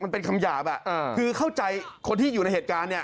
มันเป็นคำหยาบอ่ะคือเข้าใจคนที่อยู่ในเหตุการณ์เนี่ย